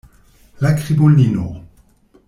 La krimulino!